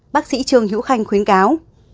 bác sĩ trương hữu khanh khuyến cáo